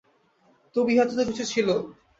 তবু ইহাতে তো কিছু ছিল।